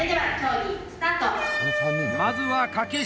まずは掛下。